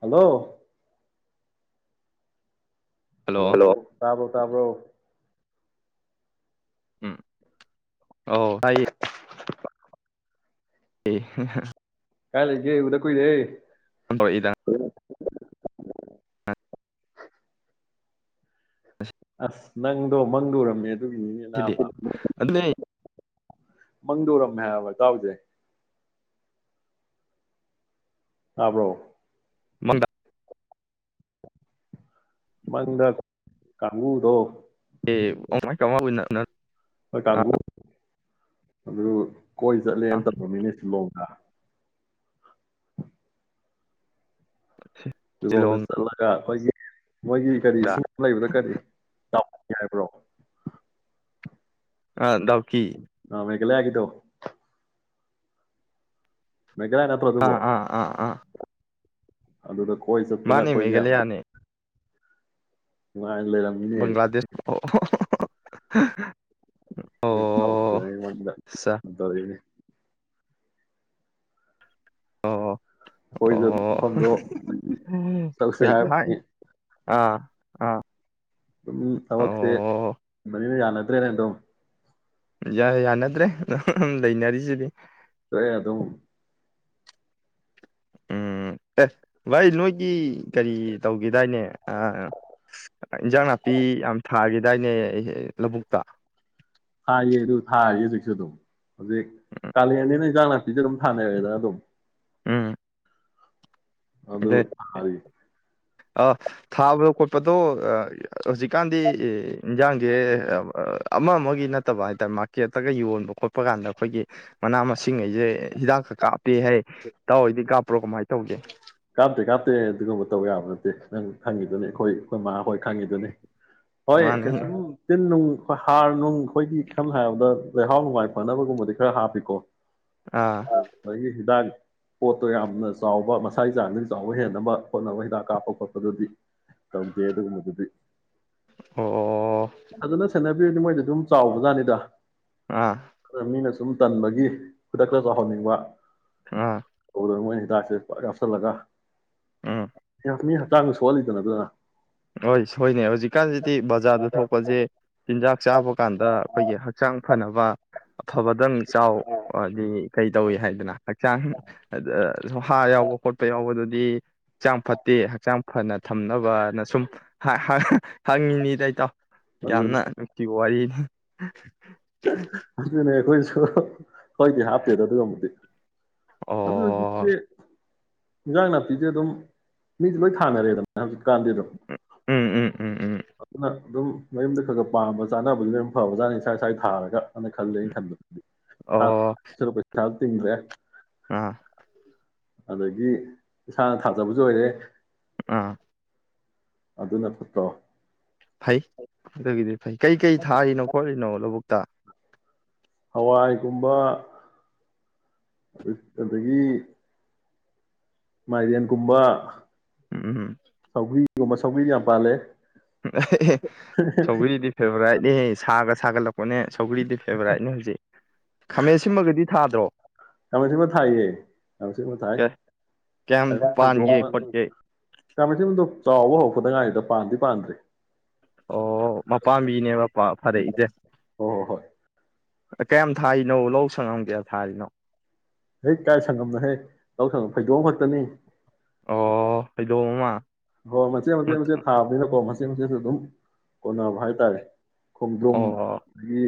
Hello hello ꯇꯥꯕ꯭ꯔꯣ ꯇꯥꯕ꯭ꯔꯣ ꯎꯝ ꯑ ꯍꯥꯏꯌꯦ ꯑꯦ ꯍꯦꯍꯦ ꯀꯥꯏ ꯂꯩꯒꯦ ꯎꯗ ꯀꯨꯏꯔꯦ꯫ ꯑꯝꯕꯣ ꯏꯗ ꯑꯁ, ꯅꯪꯗꯣ ꯃꯪꯗ ꯎꯔꯝꯃꯦ ꯁꯤꯗꯤ ꯑꯗꯨꯅꯦ ꯃꯪꯗꯨ ꯎꯔꯝꯃꯦ ꯍꯥꯏꯕ ꯏꯇꯥꯎꯖꯦ ꯇꯥꯕ꯭ꯔꯣ ꯃꯪꯗ ꯃꯪꯗ ꯀꯥꯡꯕꯨꯗꯣ ꯑꯦ ꯑꯣ ꯀꯃꯥꯏ ꯀꯃ ꯎꯟꯅ ꯎꯅ ꯍꯣꯏ ꯀꯥꯡꯒꯨ ꯑꯗꯨꯣ ꯀꯣꯏ ꯆꯠꯂꯦꯅ ꯇꯧꯔꯃꯤꯅꯦ ꯁꯤꯂꯣꯡ ꯑ ꯂꯨꯍꯣꯡꯅ ꯁꯤꯂꯣꯡꯗ ꯆꯠꯂꯒ ꯍꯣꯏꯖꯦ ꯃꯣꯏꯒꯤ ꯀꯔꯤ ꯏꯁꯤꯡ ꯂꯩꯕꯗ ꯀꯔꯤ, ꯇꯥꯎ ꯌꯥꯔꯕ꯭ꯔꯣ ꯑ ꯗꯚ ꯊꯤ ꯏꯜꯂ ꯍꯥꯏꯒꯦ ꯇꯧ ꯃꯦꯘ ꯒꯥꯂꯥ ꯅꯠꯇ꯭ꯔꯣ ꯑꯥ ꯑꯗꯨꯕꯣ ꯑꯥ ꯑꯗꯨꯗ ꯀꯣꯏ ꯆꯠꯇꯅ ꯑꯩꯈꯣꯏꯁꯦ ꯃꯥꯅꯤꯃꯤꯒ ꯌꯥꯝ ꯌꯥꯅꯤ ꯅꯨꯡꯉꯥꯏꯅ ꯂꯩꯔꯝꯃꯤꯅꯦ ꯕꯪꯒ꯭ꯂꯥꯗꯦꯁ ꯑꯣꯍꯣ ꯍꯣ [unintelligible] ꯃꯩꯐꯥꯎꯅꯩ ꯃꯪꯗ ꯑꯆꯥ ꯃꯇꯜꯂꯤꯅꯦ ꯑꯣ ꯑꯩꯈꯣꯏꯗ ꯑꯣ ꯐꯝꯗꯣ ꯆꯧꯁꯤ ꯑꯩꯈꯣꯏ ꯊꯥꯏ ꯍꯥꯏꯔꯕꯅꯤ ꯑꯥ ꯑꯗꯨꯝ ꯑꯣ ꯊꯕꯛꯁꯦꯕꯅꯤꯅ ꯌꯥꯅ ꯃꯠꯇ꯭ꯔꯦ ꯅꯦ ꯗꯨꯝ ꯌꯥꯅꯗ꯭ꯔꯦ ꯂꯩꯅꯔꯤꯁꯤꯗꯤ ꯂꯣꯏꯔꯦ ꯑꯗꯨꯝ ꯎꯝ ꯑꯦ ꯚꯥꯏ ꯅꯣꯏꯒꯤ ꯀꯔꯤ ꯇꯧꯒꯤꯗꯥꯏꯅꯦ ꯑ ꯏꯟꯖꯥꯡ ꯅꯥꯄꯤ ꯌꯥꯝ ꯊꯥꯒꯦꯗꯥꯏꯅꯦ ꯑꯍꯦ ꯂꯧꯕꯨꯛꯇ ꯊꯥꯏꯌꯦ ꯑꯗꯨ ꯊꯥꯌꯦ ꯍꯧꯖꯤꯛꯁꯨ ꯑꯗꯨꯝ ꯍꯧꯖꯤꯛ ꯀꯥꯂ ꯑꯅꯤ ꯅꯖꯥꯡꯅꯥꯛꯄꯤꯁꯨ ꯑꯗꯨꯝ ꯊꯥꯅ ꯑꯗꯨꯝ ꯎꯝ ꯑꯗꯨ ꯑꯗꯩ ꯊꯥꯔꯤ ꯑ ꯊꯥꯕꯗ ꯈꯣꯠꯄꯗꯣ ꯍꯧꯖꯤꯛꯀꯥꯟꯗꯤ ꯏꯟꯖꯥꯡꯁꯦ ꯑꯃ ꯑꯃꯒꯤ ꯅꯠꯇꯕ ꯍꯥꯏꯇꯥꯔꯦ ꯃꯥꯔꯀꯦꯠꯇꯒ ꯌꯣꯟꯕ ꯈꯣꯠꯄ ꯀꯥꯟꯗ ꯑꯩꯈꯣꯏꯒꯤ ꯃꯅꯥ ꯃꯁꯤꯡꯈꯩꯁꯦ ꯍꯤꯗꯥꯛꯀ ꯀꯥꯞꯄꯦ ꯍꯥꯏ ꯇꯥꯎꯗꯤ ꯀꯥꯞꯄ꯭ꯔꯣ ꯀꯃꯥꯏꯅ ꯇꯧꯒꯦ ꯀꯥꯞꯇꯦ ꯀꯥꯞꯇꯦ ꯑꯗꯨꯒꯨꯝꯕ ꯇꯧꯕ ꯌꯥꯕ ꯅꯠꯇꯦ ꯅꯪ ꯈꯪꯉꯤꯗꯨꯅꯤ ꯑꯩꯈꯣꯏ ꯑꯩꯈꯣꯏ ꯃꯥ ꯍꯣꯏ ꯈꯥꯡꯉꯤꯗꯨꯅꯤ ꯍꯣꯏ ꯃꯥꯅ ꯀꯩꯅ ꯁꯨꯝ ꯇꯤꯟ ꯅꯨꯡ ꯍꯔ ꯅꯅꯨꯡ ꯑꯩꯈꯣꯏꯗꯤ ꯁꯝꯅ ꯍꯥꯏꯔꯕꯗ ꯂꯩꯍꯥꯎ ꯅꯨꯡꯉꯥꯏ ꯐꯅꯕꯒꯨꯝꯕꯗꯤ ꯈꯔ ꯍꯥꯞꯄꯤꯀꯣ ꯑꯥ ꯑ ꯄꯣꯠꯇꯣ ꯌꯥꯝꯅ ꯆꯥꯎꯕ ꯏꯁꯥꯒꯤ ꯆꯥꯡꯗꯒꯤ ꯆꯥꯎꯕ ꯍꯦꯟꯅꯕ ꯈꯣꯠꯅꯕ ꯍꯤꯗꯥꯛ ꯀꯥꯞꯄ ꯈꯣꯠꯄꯗꯨꯗꯤ ꯇꯧꯗꯦ ꯑꯗꯨꯒꯨꯝꯕꯗꯨꯗꯤ ꯑꯣ ꯑꯗꯨꯅ ꯆꯂ ꯑꯗꯨꯏꯗꯤ ꯃꯣꯏꯗꯤ ꯑꯗꯨꯝ ꯆꯥꯎꯕꯖꯥꯠꯅꯤꯗ ꯑꯥ ꯈꯔ ꯃꯤꯅꯁꯨ ꯁꯨꯝ ꯇꯟꯕꯒꯤ ꯈꯨꯗꯛꯇ ꯆꯥꯎꯍꯟꯅꯤꯡꯕ ꯑꯥ ꯇꯧꯕꯗꯅ ꯃꯣꯏꯅ ꯍꯤꯗꯥꯛꯁꯦ ꯄ ꯌꯥꯎꯁꯜꯂꯒ ꯎꯝ ꯃꯤ ꯍꯛꯆꯥꯡꯗ ꯁꯣꯛꯍꯜꯂꯤꯗꯅ ꯑꯗꯨꯅ ꯍꯣꯏ ꯁꯣꯏꯅꯦ ꯍꯧꯖꯤꯛꯀꯥꯟꯁꯤꯗꯤ ꯕꯖꯥꯔꯗ ꯊꯣꯛꯄꯁꯦ ꯆꯤꯟꯖꯥꯛ ꯆꯥꯕ ꯀꯥꯟꯗ ꯑꯩꯈꯣꯏꯒꯤ ꯍꯛꯆꯥꯡ ꯐꯅꯕ ꯑꯐꯕꯗꯪ ꯆꯥꯎ ꯍꯥꯏꯗꯤ ꯀꯩ ꯇꯧꯏ ꯍꯥꯏꯗꯅ ꯍꯛꯆꯥꯡ ꯍꯥꫪ ꯌꯥꯎꯕ ꯈꯣꯠꯄ ꯌꯥꯎꯕꯗꯨ ꯗꯤ ꯍꯛꯆꯥꯡ ꯐꯠꯇꯦ ꯍꯛꯆꯥꯡ ꯐꯅ ꯊꯝꯅꯕ ꯁꯨꯝ ꯍ ꯍ ꯍꯪꯉꯤꯅꯤꯗ ꯏꯇꯥꯎ ꯑꯗꯨꯅꯤ ꯌꯥꯝꯅ ꯅꯨꯡꯁꯤ ꯋꯥꯔꯤꯅꯤ ꯑꯩꯈꯣꯏꯁꯨ ꯍꯣꯏꯗꯤ ꯍꯥꯞꯇꯦꯗ ꯑꯗꯨꯒꯕꯨꯗꯤ ꯑꯗꯨ ꯑꯣ ꯍꯧꯖꯤꯛꯇꯤ ꯏꯟꯖꯥꯡ ꯅꯥꯄꯤꯁꯦ ꯑꯗꯨꯝ ꯃꯤꯁꯦ ꯂꯣꯏ ꯊꯥꯅꯔꯦꯗꯅ ꯍꯧꯖꯤꯛ ꯀꯥꯟꯗꯗꯝ ꯎꯝ ꯎꯝ ꯎꯝ ꯎꯝ ꯑꯗꯨꯅ ꯑꯗꯨꯝ ꯃꯌꯨꯝꯗ ꯈꯔ ꯈꯔ ꯄꯥꯝꯕ ꯆꯥꯅꯕꯕꯨꯗꯤ ꯑꯗꯨꯝ ꯐꯕꯖꯥꯅꯤꯩ ꯁ꯭ꯥꯏ ꯁ꯭ꯋꯥꯏꯗ ꯊꯥꯔꯒ ꯑꯗꯨꯝꯅ ꯈꯜꯂꯦ ꯑꯩꯅ ꯈꯟꯕꯗꯗꯤ [unintelligible] ꯇꯤꯡꯗꯔꯦ ꯑ ꯑꯗꯒꯤ ꯏꯁꯥꯅ ꯊꯥꯖꯕꯁꯨ ꯑꯣꯏꯔꯦ ꯑꯥ ꯑꯗꯨ ꯅ ꯐꯠꯇꯔꯣ ꯐꯥꯏ ꯀꯗꯦ ꯐꯩ ꯀꯩ ꯀꯩ ꯊꯥꯔꯤꯅꯣ ꯈꯣꯠꯂꯤꯅꯣ ꯂꯧꯕꯨꯛ ꯀꯨꯠꯇ ꯍꯋꯥꯏꯒꯨꯝꯕ ꯑꯗꯒꯤ ꯃꯥꯏꯗꯤꯟ ꯀꯨꯝꯕ ꯎꯝꯝ ꯁꯤꯒꯨꯝꯕ ꯁꯧꯕꯤ ꯌꯥꯝ ꯄꯥꯜꯂꯦ ꯁꯧꯒꯔꯤꯗꯤ ꯐꯦꯚꯣꯔꯥꯏꯠꯅꯦ ꯁꯥꯒ ꯁꯥꯒꯠꯂꯛꯄꯅꯦ ꯁꯧꯒ꯭ꯔꯤꯗꯤ ꯐꯦꯚꯣꯔꯥꯏꯠꯅꯦ ꯍꯧꯖꯤꯛ ꯈꯥꯃꯦꯟ ꯁꯤꯃꯒꯗꯤ ꯊꯥꯗ꯭ꯔꯣ ꯀꯃ ꯊꯕ ꯊꯥꯏꯌꯦ ꯀꯕ ꯊꯥꯏ ꯀꯌꯥ- ꯀꯌꯥꯝ ꯐꯗꯣꯛꯑ ꯄꯥꯟꯒꯦ ꯈꯣꯠꯀꯦ ꯀꯃ ꯊꯗ ꯆꯥꯎꯕ ꯍꯧꯧꯕꯗꯉꯥꯏꯗꯨꯗ ꯄꯥꯟꯗꯤ ꯄꯥꯟꯗ꯭ꯔꯦ ꯑꯣ ꯃꯄꯥꯝꯕꯤꯅꯦ ꯐꯔꯛꯏꯁꯦ ꯍꯣꯏ ꯍꯣꯏ ꯍꯣꯏ ꯀꯌꯥꯝ ꯊꯥꯔꯤꯅꯣ ꯂꯧ ꯁꯪꯉꯝ ꯀꯌꯥ ꯊꯥꯔꯤꯅꯣ ꯍꯦꯛ ꯀꯥꯏ ꯁꯪꯉꯝꯅꯣ ꯍꯦꯛ ꯂꯧ ꯁꯪ ꯐꯩꯗꯣꯛꯑ ꯈꯛꯇꯅꯤ ꯑꯣ ꯐꯩꯗꯣꯝ ꯑꯃ ꯍꯣꯏ ꯃꯆꯦꯠ ꯃꯆꯦ ꯃꯠ- ꯃꯆꯦꯠ ꯊꯥꯕꯅꯤꯅꯀꯣ ꯁꯨ ꯑꯗꯨꯝ ꯀꯣꯟꯅꯕ ꯍꯥꯏꯇꯥꯔꯦ ꯈꯣꯡꯗꯣꯝ ꯑꯣ ꯑꯗꯒꯤ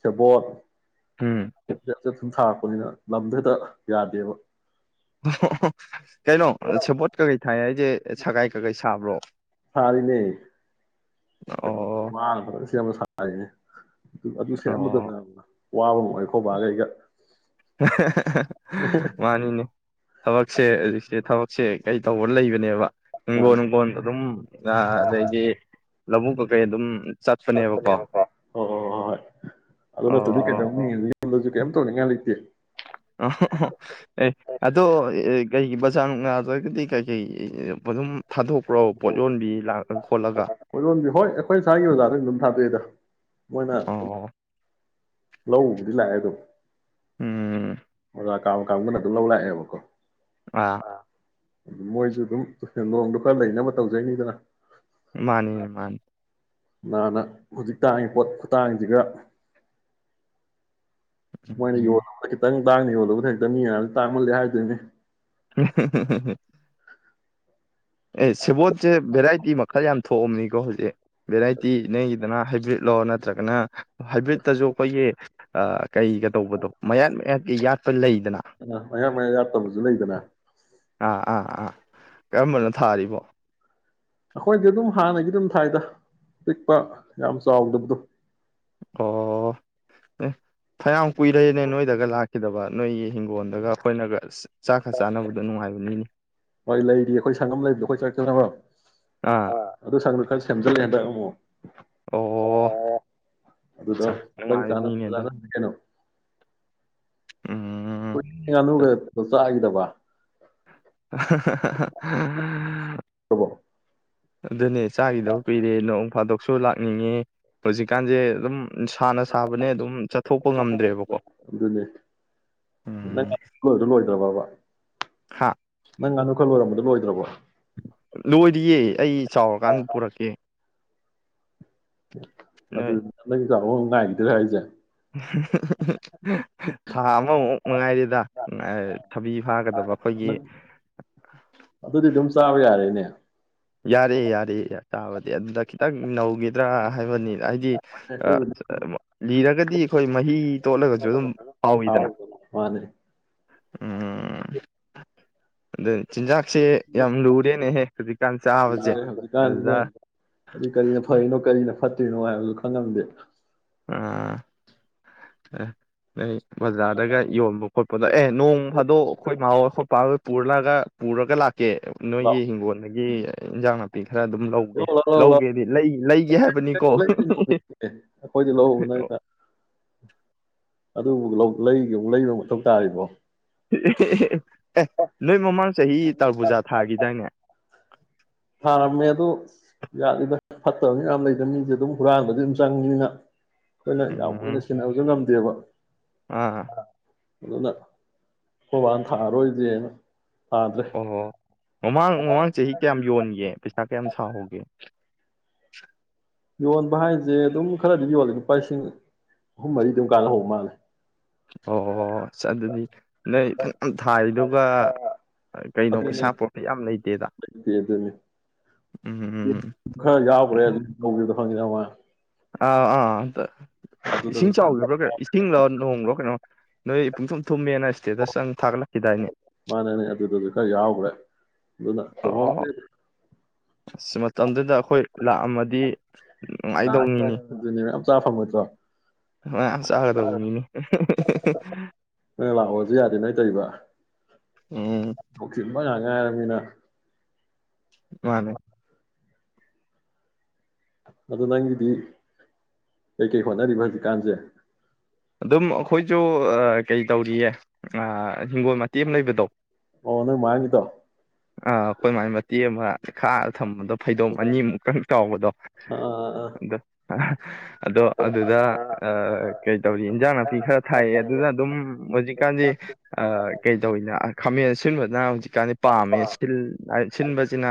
ꯆꯕꯣꯠ ꯎꯝ ꯊꯝ ꯊ ꯅ ꯂꯗ ꯌꯥꯗꯦꯕ ꯀꯩꯅꯩꯅꯣꯄꯣꯠ ꯀꯩ ꯊꯥꯏ ꯍꯥꯏꯁꯦ ꯁꯒꯥꯏ ꯀꯀꯩ ꯁꯥꯕ꯭ꯔꯣ ꯁꯥꯔꯤꯅꯦꯩꯅ ꯑꯣ ꯃꯥꯜ ꯁꯤ ꯍꯥꯏꯦ ꯑꯗꯨ ꯑꯗꯨ ꯁꯦꯝꯃꯗ ꯑꯣ ꯇꯕ ꯋꯥꯕꯝ ꯑꯣꯏꯈꯣꯕꯒ ꯑꯩꯒ ꯃꯥꯅꯤꯅꯦ ꯊꯕꯛꯁꯦ ꯍꯧꯖꯤꯛꯁꯦ ꯊꯕꯛ ꯁꯦ ꯀꯩ ꯇꯧꯕ ꯂꯩꯕꯅꯦꯕ ꯍꯤꯡꯒꯣꯜ ꯅꯍꯥꯟ ꯅꯨꯡꯒꯣꯟ ꯑꯗꯨꯝ ꯑꯗꯩꯗꯤ ꯂꯧꯕꯨꯛꯛ ꯈꯦ ꯑꯗꯨꯝ ꯆꯠꯄꯅꯦꯕꯀꯣ ꯅꯦꯕ ꯑꯣ ꯑꯣ ꯍ ꯍꯣꯏ ꯑꯗꯨꯅꯠꯇꯗꯤ ꯑꯣ ꯀꯩꯗꯧꯅꯤ ꯌꯗꯁꯨ ꯀꯩꯝ ꯇꯧꯅꯤꯡꯉꯥꯏ ꯂꯩꯇꯦ ꯑ ꯑꯗꯣ ꯀꯩꯒꯤ ꯕꯖꯥꯔ ꯅꯨꯡ ꯅꯥꯗ꯭ꯔꯒꯗꯤ ꯀꯩꯀꯩ ꯑꯗꯨꯝ ꯊꯥꯗꯣꯛꯄ ꯀ꯭ꯔꯧ ꯄꯣꯠ ꯌꯣꯟꯕꯤ ꯂꯥꯛ ꯍꯣꯏꯔꯣꯝꯕꯤ ꯍꯣꯏ ꯑꯩꯈꯣꯏ ꯏꯁꯥꯒꯤ ꯑꯣꯖꯥꯗ ꯑꯗꯨꯝ ꯊꯥꯗꯣꯛꯏꯦꯗ ꯃꯅ ꯑꯣ ꯂ ꯎꯕꯨꯗꯤ ꯂꯥꯛꯑꯦ ꯑꯗꯨꯝ ꯎꯝ ꯀꯥꯡꯥ ꯀꯥꯡꯕꯅ ꯑꯗꯨꯝ ꯂꯧ ꯂꯥꯛꯑꯦꯕꯀꯣ ꯑ ꯑꯗꯨ ꯃꯣꯏꯁꯨ ꯑꯗꯨꯝ ꯅꯣꯡꯗꯨ ꯈꯔ ꯂꯩꯅꯕ ꯇꯧꯖꯩꯅꯤꯗꯅ ꯃꯥꯅꯤꯅꯦ ꯃꯥꯅꯤ ꯅꯥꯟꯅ ꯍꯧꯖꯤꯛ ꯇꯥꯡꯉꯤ ꯄꯣꯠ ꯈꯨꯇꯥꯡꯁꯤꯒ ꯎꯝ ꯃꯅꯦ ꯎꯝ ꯌ ꯇꯥꯡꯅꯤ ꯌꯣꯜꯂꯕ ꯍꯦꯛꯇ ꯃꯤꯉ ꯇꯥꯡꯃꯜꯂꯦ ꯍꯥꯏꯗꯣꯏꯅꯦ [inaudible] ꯑꯦ ꯁꯤꯕ ꯚꯔꯥꯏꯇꯤ ꯈꯔ ꯌꯥꯝ ꯊꯣꯛꯑꯕꯅꯤꯀꯣ ꯍꯧꯖꯤꯛ ꯚꯦꯔꯥꯏꯇꯤ ꯅꯒꯤꯗꯅ ꯍꯥꯏꯕ꯭ꯔꯤꯠꯂꯣ ꯅꯠꯇ꯭ꯔ ꯅꯠꯇ꯭ꯔꯒꯅ ꯍꯥꯏꯕ꯭ꯔꯤꯠꯇꯁꯨ ꯑꯩꯈꯣꯏꯒꯤ ꯀꯩꯒ ꯇꯧꯕꯗꯣ ꯃꯌꯥꯟꯠ ꯃꯌꯥꯟ ꯏ ꯌꯥ ꯃꯌꯥꯌꯥꯝ ꯃꯌꯥ ꯌꯥꯠꯇꯕꯁꯨ ꯂꯩꯗꯅ ꯑꯥ ꯑꯥ ꯑꯥ ꯀꯔꯝꯕꯅꯣ ꯊꯥꯔꯤꯕꯣ ꯑꯩꯈꯣꯏꯗꯤ ꯑꯗꯨꯝ ꯍꯥꯟꯅꯒꯤ ꯑꯗꯨꯝ ꯊꯥꯏꯗ ꯄꯤꯛꯄ ꯌꯥꯝ ꯆꯥꯎꯗꯕꯗꯣ ꯑꯣ ꯐꯌꯥꯝ ꯀꯨꯏꯔꯦꯅꯦ ꯅꯣꯏꯗꯒ ꯂꯥꯛꯈꯤꯗꯕ ꯅꯣꯏꯒꯤ ꯍꯤꯡꯒꯣꯜꯗꯒ ꯑꯩꯈꯣꯏꯅꯒ ꯆꯥꯛꯀ ꯆꯥꯅꯕꯗꯣ ꯅꯨꯡꯉꯥꯏꯕꯅꯤꯅꯤ ꯃꯣꯏ ꯂꯩꯔꯤ ꯑꯩꯈꯣꯏ ꯁꯪꯉꯝ ꯂꯩꯕꯗꯣ ꯑꯩꯈꯣꯏ ꯆꯛꯇ ꯑꯥ ꯑꯗꯨ ꯆꯣ ꯑꯣ ꯑꯗꯨꯗ ꯑꯠꯆꯥ ꯑꯟ ꯀꯥꯅ ꯅꯨꯡꯉꯥꯏꯕꯅꯤꯅꯦ ꯐꯥꯅ ꯑꯗꯣ ꯍꯅꯣ ꯎꯝ ꯅ ꯍꯥꯏ ꯕ ꯍꯥ ꯍꯥ ꯍꯥ ꯈꯪꯕ꯭ꯔꯣ ꯍꯥ ꯑꯗꯨꯅꯦ ꯆꯥꯈꯤꯗꯧ ꯄꯤꯔꯦ ꯅꯣꯡ ꯐꯥꯗꯣꯛꯁꯨ ꯂꯥꯛꯅꯤꯡꯉꯦ ꯍꯧꯖꯤꯛꯀꯥꯟꯁꯦ ꯑꯗꯨꯝ ꯁꯥꯅ ꯁꯥꯕꯅꯦ ꯑꯗꯨꯝ ꯆꯠꯊꯣꯛꯄ ꯉꯝꯗ꯭ꯔꯦꯕꯀꯣ ꯑꯗꯨꯅꯦ ꯎꯝ ꯃꯒꯅ ꯋꯥꯈꯜ ꯑꯣꯏꯔꯝꯕꯗꯨ ꯂꯣꯏꯗ꯭ꯔꯕꯣ ꯂꯣꯏꯗꯤꯌꯦ ꯑꯩ ꯆꯥꯎꯔꯀꯥꯟꯗ ꯄꯨꯔꯛꯀꯦ ꯑꯗꯨ ꯅꯣꯏ ꯅꯒ ꯉꯥꯏꯈꯤꯗ꯭ꯔꯦ ꯍꯥꯏꯁꯦ ꯊꯥ ꯑꯃꯃꯨꯛ ꯃꯉꯥꯏꯔꯤꯗ ꯊꯕꯤ ꯐꯥꯒꯗꯕ ꯑꯩꯈꯣꯏꯒꯤ ꯅꯪ ꯑꯗꯨꯗꯤ ꯑꯗꯨꯝ ꯆꯥꯕ ꯌꯥꯔꯦꯅꯦ ꯌꯥꯔꯦꯌꯦ ꯌꯥꯔꯌꯦ ꯇꯥꯕꯗꯤ ꯑꯗꯨꯗ ꯈꯤꯇꯪ ꯅꯧꯈꯤꯗ꯭ꯔꯥ ꯍꯥꯏꯕꯅꯤꯅ ꯍꯥꯏꯗꯤ ꯑꯩꯈꯣꯏꯕꯨꯗꯤ ꯂꯤꯔꯒꯗꯤ ꯑꯩꯈꯣꯏ ꯃꯍꯤ ꯇꯣꯠꯂꯒꯁꯨ ꯑꯗꯨꯝ ꯐꯥꯎꯋꯤꯗꯅ ꯍꯥꯎꯗꯅ ꯃꯥꯅꯦ ꯎꯝ ꯑ ꯆꯤꯟꯖꯥꯁꯦ ꯌꯥꯝ ꯂꯨꯔꯦꯅꯦ ꯍꯦ ꯍꯧꯖꯤꯛꯀꯥꯟꯁꯤꯅꯦ ꯑꯗꯨ ꯀꯔꯤꯅ ꯐꯩꯅꯣ ꯀꯔꯤꯅꯣ ꯐꯠꯇꯣꯏ ꯅꯨꯡꯉꯥꯏꯕꯗꯨ ꯈꯪꯉꯝꯗꯦ ꯑ ꯕꯖꯥꯔꯗꯒ ꯌꯣꯟꯕ ꯈꯣꯠꯄꯗꯣ ꯑꯦ ꯅꯣꯡ ꯐꯥꯗꯣꯛ ꯑꯩꯈꯣꯏ ꯃꯥꯣꯏ ꯈꯣꯠꯄꯣꯏ ꯄꯨꯔꯂꯒ ꯄꯨꯔꯒ ꯂꯥꯛ ꯦ ꯂꯥꯎ ꯅꯣꯏꯒꯤ ꯍꯤꯡꯒꯣꯟꯗꯦ ꯖꯅꯄꯤ ꯈꯔ ꯑꯗꯨꯝ ꯂꯧꯒꯦ ꯂꯧ ꯂꯥꯎ ꯂꯥꯎ ꯂꯥꯎ ꯂꯧꯒꯦꯗꯤ ꯂꯩꯒꯦ ꯍꯥꯏꯕꯅꯤꯀꯣ ꯂꯩꯗꯣꯏꯅꯣ ꯑꯩꯈꯣꯏꯗꯤ ꯂꯧꯍꯧꯕ ꯅꯪꯅ ꯑꯗꯨꯕꯨ ꯂꯩꯕ ꯃꯊꯧ ꯇꯥꯔꯤꯕꯣ ꯑꯦ ꯅꯣꯏ ꯃꯃꯥꯡ ꯆꯍꯤ ꯇꯔꯕꯨꯖꯥ ꯊꯥꯒꯤꯗꯥꯏꯅꯦ ꯊꯥꯔꯝꯃꯦ ꯑꯗꯨ ꯌꯥꯠꯜꯂꯤꯗ ꯐꯠꯇꯕꯅꯤ ꯃꯌꯥꯝ ꯂꯩꯗꯅ ꯃꯤꯁꯦ ꯑꯗꯨꯝ ꯍꯨꯔꯥꯟꯕꯗꯗꯤ ꯑꯗꯨꯝ ꯆꯪꯉꯤꯅꯤꯅ ꯑꯩꯈꯣꯏꯅ ꯌꯥꯝ ꯀꯨꯏꯅ ꯎꯝ ꯁꯤꯟꯅꯕꯁꯨ ꯉꯝꯗ [unintelligible] ꯑꯥ ꯑꯗꯨꯅ ꯈꯣꯏꯕꯥꯅ ꯊꯥꯔꯔꯣꯏꯁꯦꯅ ꯊꯥꯗ꯭ꯔꯦ ꯑꯣꯑꯣ ꯃꯃꯥꯡ ꯃꯃꯥꯡ ꯆꯍꯤ ꯀꯌꯥꯝ ꯌꯣꯟ ꯒꯦ ꯄꯩꯁꯥ ꯀꯌꯥꯝ ꯁꯥꯍꯧꯒꯦ ꯌꯣꯟꯕ ꯍꯥꯏꯁꯦ ꯑꯗꯨꯝ ꯈꯔꯗꯤ ꯌꯣꯜꯂꯦ ꯂꯨꯄꯥ ꯂꯤꯁꯤꯡ ꯑꯍꯨꯝ ꯃꯔꯤ ꯑꯗꯨꯝ ꯀꯥꯟꯅꯍꯧꯕ ꯃꯥꯜꯂꯦ ꯑꯣ ꯑꯗꯨꯗꯤ ꯅꯣꯏ ꯐꯅꯌꯥꯝ ꯊꯥꯔꯤꯗꯨꯒ ꯀꯩꯅꯣ ꯑꯗꯨꯅꯦ ꯄꯩꯁꯥ ꯄꯔꯣꯐꯤꯠ ꯌꯥꯝ ꯂꯩꯇꯦꯗ ꯂꯩꯇꯦ ꯑꯗꯨꯅꯤ ꯎꯝ ꯎꯝ ꯈꯔ ꯌꯥꯎꯒꯔꯦ ꯑꯗꯨꯝ [unintelligible] ꯑꯥ ꯑꯥ ꯑꯥ ꯏꯁꯤꯡ ꯑꯗꯨꯗꯁꯨ ꯆꯥꯎꯈꯤꯕ꯭ꯔꯣ ꯀꯩꯅꯣ ꯏꯁꯤꯡꯂ ꯅꯣꯡꯂꯣ ꯀꯩꯅꯣ ꯅꯣꯏ ꯄꯨꯡꯊꯨꯝ ꯊꯨꯝꯃꯦꯅ ꯏꯁꯇꯦꯇꯁ ꯑꯝ ꯊꯥꯒꯠꯂꯛꯈꯤꯗꯥꯏꯅꯦ ꯃꯥꯅꯅꯦ ꯑꯗꯨꯗꯁꯨ ꯈꯔ ꯌꯥꯎꯈ꯭ꯔꯦ ꯑꯗꯨꯅ ꯑꯣ ꯇꯣꯡꯍꯧꯗ꯭ꯔꯦꯗꯥ ꯃꯇꯝꯗꯨꯗ ꯑꯩꯈꯣꯏ ꯂꯥꯛꯑꯝꯃꯗꯤ ꯅꯥꯈ꯭ꯔꯦ ꯅꯨꯡꯉꯥꯏꯗꯧꯅꯤꯅꯦ ꯑꯗꯨꯅꯦ ꯃꯌꯥꯝ ꯐꯪꯉꯣꯏꯗ꯭ꯔꯣ ꯆꯥꯒꯗꯧꯅꯤꯅꯤ [unintelligible] ꯂꯥꯛꯑꯣꯁꯨ ꯌꯥꯗꯦ ꯅꯣꯏ ꯇꯧꯕ ꯎꯝ [unintelligible] [unintelligible] ꯃꯥꯅꯦ ꯑꯗꯨ ꯅꯪꯒꯤꯗꯤ ꯀꯩꯀꯩ ꯍꯣꯠꯅꯔꯤꯕ ꯍꯧꯖꯤꯛꯀꯥꯟꯁꯦ ꯑꯗꯨꯝ ꯑꯩꯈꯣꯏꯁꯨ ꯀꯩ ꯇꯧꯔꯤꯌꯦ ꯍꯤꯡꯒꯣꯜ ꯃꯇꯦꯛ ꯑꯃ ꯂꯩꯕꯗꯣ ꯑꯣ ꯅꯣꯏ ꯃꯥꯃꯡꯒꯤꯗꯣ ꯑꯥ ꯑꯩꯈꯣꯏ ꯃꯥꯏ ꯃꯇꯦꯛ ꯑꯃ ꯈꯥꯛꯑꯒ ꯊꯝꯕꯗꯣ ꯐꯩꯗꯣꯝ ꯑꯅꯤꯃꯨꯛꯇꯪ ꯆꯥꯎꯕꯗꯣ ꯑꯥ ꯑꯥ ꯑꯥ ꯑꯗꯨ [unintelligible] ꯑꯗꯣ ꯑꯗꯨꯗ ꯑꯥ ꯀꯩ ꯏꯟꯖꯥꯡ ꯅꯥꯄꯤ ꯈꯔ ꯊꯥꯏꯌꯦ ꯑꯗꯨꯅ ꯑꯗꯨꯝ ꯍꯧꯖꯤꯛꯀꯥꯟꯗꯤ ꯀꯩ ꯇꯧꯋꯤꯅ ꯈꯥꯃꯦꯟ ꯑꯁꯤꯟꯕꯅ ꯍꯧꯖꯤꯛ ꯀꯥꯟꯗꯤ ꯄꯥꯝꯃꯦ ꯁꯤꯟꯕꯁꯤꯅ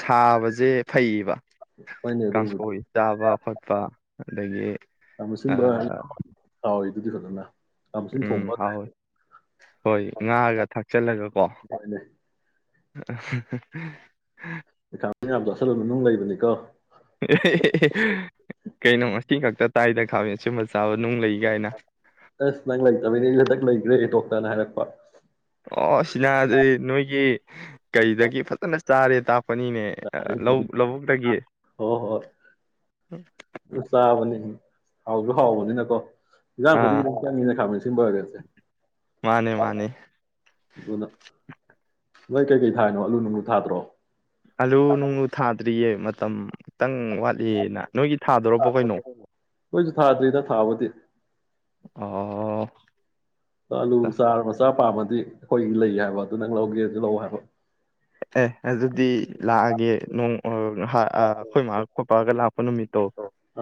ꯁꯥꯕꯁꯦ ꯐꯩꯌꯦꯕ ꯍꯣꯏꯅꯦ ꯑꯗꯨꯕꯨꯗꯤ ꯀꯥꯡꯁꯣꯏ ꯆꯥꯕ ꯈꯣꯠꯄ ꯑꯗꯗꯒꯤ ꯈꯥꯃꯦꯟ ꯑꯁꯤꯟꯕ ꯍꯥꯎꯔꯤꯗꯨꯗꯤ ꯐꯖꯅ ꯈꯥꯃꯦꯟ ꯑꯁꯤꯟ ꯎꯝ ꯊꯣꯡꯕ ꯍꯥꯎꯋꯤ ꯍꯣꯏ ꯉꯥꯒ ꯊꯥꯛꯆꯤꯜꯂꯒ ꯍꯣꯏꯅꯦ ꯑ [unintelligible] ꯌꯥꯝ ꯆꯥꯁꯜꯂꯨꯅꯨ ꯅꯨꯡ ꯂꯩꯕꯅꯤꯀꯣ ꯀꯩ ꯅꯃꯁ ꯊꯤ ꯈꯛꯇ ꯇꯥꯏꯗ ꯈꯥꯃꯦꯟ ꯑꯁꯤꯟꯕ ꯆꯥꯕ ꯅꯨꯡ ꯂꯩ ꯀꯥꯏꯅ ꯑꯁ ꯅꯪ ꯂꯩꯇꯕꯩꯅꯦ ꯑꯩ ꯍꯟꯇꯛ ꯂꯩꯈ꯭ꯔꯦ ꯗꯣꯛꯇꯔꯅ ꯍꯥꯏꯔꯛꯄ ꯍ ꯑꯣ ꯁꯤꯅꯗꯤ ꯅꯣꯏꯒꯤ ꯀꯔꯤꯗꯒꯤ ꯐꯖꯅ ꯆꯔꯦ ꯇꯥꯞ ꯇꯥꯛꯄꯅꯤꯅꯦ ꯑꯗꯩ ꯍꯣꯏ ꯂꯧꯕꯨꯛꯇꯒꯤ ꯍꯣꯏ ꯍꯝ ꯆꯥꯕꯅꯤ ꯍꯥꯎꯁꯨ ꯍꯥꯎꯕꯅꯤꯅꯀꯣ ꯏꯥꯟꯁꯥꯡ ꯈꯨꯗꯤꯡꯒꯤ ꯑꯥ ꯑꯗꯨꯝ ꯆꯪꯉꯤꯗꯅ ꯈꯥꯃꯦꯟ ꯁꯤꯟꯕꯒꯁꯦ ꯃꯥꯅꯦ ꯃꯥꯅꯦ ꯑꯗꯨꯅ ꯅꯣꯏ ꯀꯩꯀꯩ ꯊꯥꯔꯤꯅꯣ ꯑꯥꯂꯨ ꯅꯨꯡꯂꯨ ꯊꯥꯗ꯭ꯔꯣ ꯑꯜꯂꯨ ꯅꯨꯡ ꯊꯥꯗ꯭ꯔꯤꯌꯦ ꯃꯇꯝ ꯈꯤꯇꯪ ꯋꯥꯠꯂꯤꯅ ꯅꯣꯏꯒꯤ ꯊꯥꯗꯣꯔꯄꯣ ꯀꯩꯅꯣ ꯅꯣꯏꯁꯨ ꯊꯥꯗ꯭ꯔꯤꯗ ꯊꯥꯕꯗꯤ ꯑꯣ ꯆꯂꯨ ꯁꯥꯥ ꯃꯁꯥ ꯄꯥꯕꯗ ꯑꯩꯈꯣꯏꯒꯤ ꯂꯩ ꯍꯥꯏꯕ ꯑꯗꯨ ꯅꯪ ꯂꯧꯒꯦ ꯑꯗꯨ ꯂꯧꯑꯣ ꯍꯥꯏꯕ ꯑꯦ ꯑꯗꯨꯗꯤ ꯂꯥꯛꯑꯒꯦ ꯅꯣꯡ ꯑꯩꯈꯣꯏ ꯏꯃꯥ ꯄꯄꯥꯒ ꯂꯥꯛꯄ ꯅꯨꯃꯤꯠꯇꯣ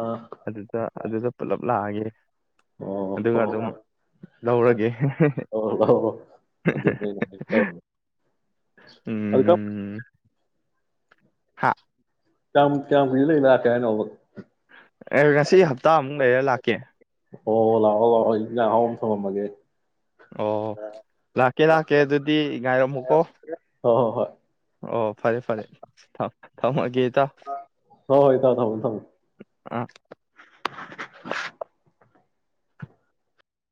ꯑꯥ ꯑꯗꯨꯗ ꯑꯗꯨꯗ ꯄꯨꯂꯞ ꯂꯥꯛꯑꯒꯦ [inaudible] ꯑꯣ ꯑꯗꯨꯒ ꯍꯣ ꯍꯣ ꯑꯗꯨꯝ ꯂꯧꯔꯒꯦ ꯂꯧꯔꯣ ꯂꯧꯔꯣ ꯑꯗꯨꯅꯦ ꯑꯩꯅ ꯍꯥꯏꯒꯦ ꯇꯧꯔꯝꯃꯤꯅꯦ ꯑꯗꯨ ꯀꯞ ꯎꯝ ꯍꯥ ꯆꯝ ꯀ ꯂꯩ ꯂꯥꯛ ꯀꯅ ꯑꯦ, ꯉꯁꯤ ꯍꯞꯇꯥꯃꯨꯛ ꯂꯩꯔ ꯂꯥꯛꯀꯦ ꯑꯣ ꯂꯑꯣ ꯂꯥꯎꯑꯣ ꯏꯝ ꯁ ꯃꯃꯦ ꯑꯣ ꯂꯥꯛꯀꯦ ꯂꯥꯛꯀꯦ ꯑꯗꯨꯗꯤ ꯉꯥꯏꯔꯝꯃꯨꯀꯣ ꯍꯣꯏ ꯍꯣꯏ ꯍꯣꯏ ꯑꯣ ꯐꯔꯦ ꯐꯔꯦ ꯊꯝꯃꯒꯦ ꯏꯇꯥꯎ [unintelligible] ꯑ [inaudible]